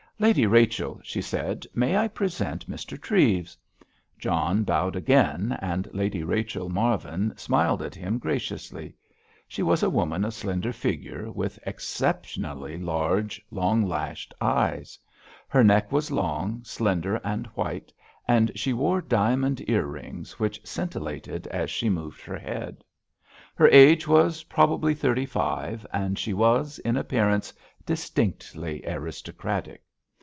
"Lady Rachel," she said, "may I present Mr. Treves." John bowed again, and Lady Rachel Marvin smiled at him graciously. She was a woman of slender figure, with exceptionally large, long lashed eyes. Her neck was long, slender and white, and she wore diamond ear rings, which scintillated as she moved her head. Her age was probably thirty five, and she was, in appearance, distinctly aristocratic.